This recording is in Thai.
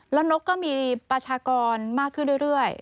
แล้วนกก็มีประชากรมากขึ้นเรื่อย